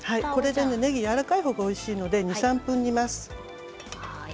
ねぎは、やわらかい方がおいしいので２、３分煮ます。